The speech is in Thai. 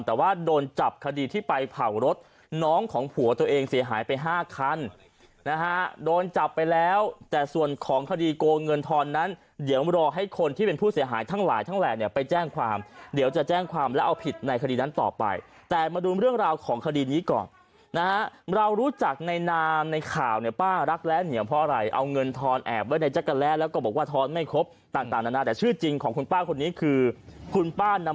แต่ว่าโดนจับคดีที่ไปเผารถน้องของผัวตัวเองเสียหายไป๕คันนะฮะโดนจับไปแล้วแต่ส่วนของคดีโกงเงินทรนั้นเดี๋ยวมารอให้คนที่เป็นผู้เสียหายทั้งหลายทั้งแหล่งเนี่ยไปแจ้งความเดี๋ยวจะแจ้งความแล้วเอาผิดในคดีนั้นต่อไปแต่มาดูเรื่องราวของคดีนี้ก่อนนะฮะเรารู้จักในนามในข่าวเนี่ยป้ารักแร้เหนีย